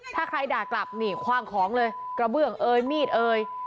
ถ้าใครด่ากลับนี่คว่างของเลยกระเบื้องเอ่ยมีดเอ่ย